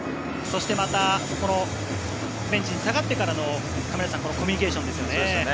そしてまた、ベンチに下がってからのコミュニケーションですよね。